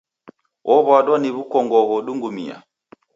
Wow'adwa niw'ukongogho dungumia.